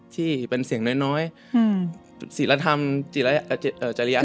ที่เป็นเสียงน้อยสิรธรรมจริยธรรมทางสังคม